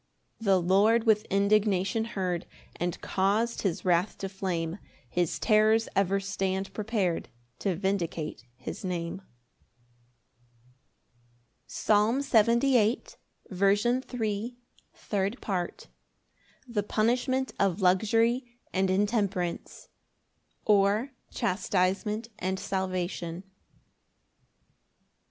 8 The Lord with indignation heard, And caus'd his wrath to flame His terrors ever stand prepar'd To vindicate his Name. Psalm 78:3. Third Part. The punishment of luxury and intemperance; or, Chastisement and salvation.